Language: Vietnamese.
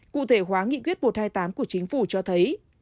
cụ thể hóa nghị quyết một trăm hai mươi tám của chính phủ cho thấy